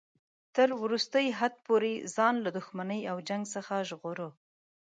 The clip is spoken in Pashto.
تر وروستي حد پورې ځان له دښمنۍ او جنګ څخه ژغوره.